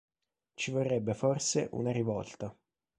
Ci vorrebbe forse una rivolta.